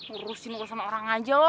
urusin lo sama orang aja lo